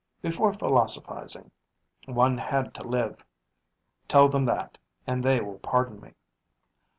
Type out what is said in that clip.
Before philosophizing, one had to live. Tell them that; and they will pardon me.